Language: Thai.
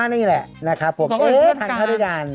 นี่แหละน่ะครับผมเอ๊ะทันด้วยกัน